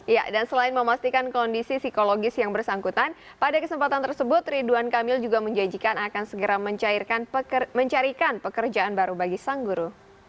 ya dan selain memastikan kondisi psikologis yang bersangkutan pada kesempatan tersebut ridwan kamil juga menjanjikan akan segera mencarikan pekerjaan baru bagi sang guru